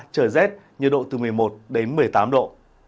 trời rét nhiệt độ từ một mươi một đến một mươi tám độ